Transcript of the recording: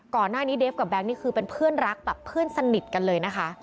ก่อนหน้านี้เดฟกับแก๊งนี่คือเป็นเพื่อนรักแบบเพื่อนสนิทกันเลยนะคะ